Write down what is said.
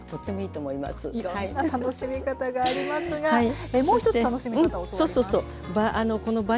いろんな楽しみ方がありますがもう一つ楽しみ方教わります。